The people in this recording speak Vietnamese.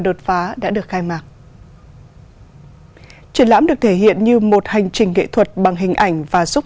đột phá đã được khai mạc triển lãm được thể hiện như một hành trình nghệ thuật bằng hình ảnh và giúp